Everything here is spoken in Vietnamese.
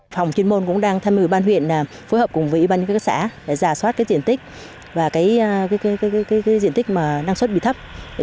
phòng chuyên môn cũng đang tham mưu ban huyện phối hợp cùng với ủy ban các xã để giả soát diện tích và diện tích năng suất bị thấp